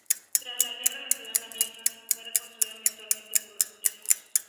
Tras la guerra, la Ciudad Vieja fue reconstruida meticulosamente por los polacos.